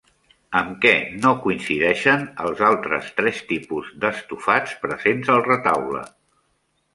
Amb què no coincideixen els altres tres tipus d'estofats presents al retaule?